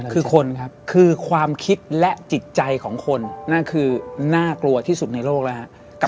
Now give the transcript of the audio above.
คือคนครับคือความคิดและจิตใจของคนนั่นคือน่ากลัวที่สุดในโลกแล้วครับ